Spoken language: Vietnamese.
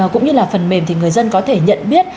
cũng như là phần mềm thì người dân có thể nhận biết